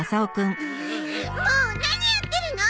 もう何やってるの！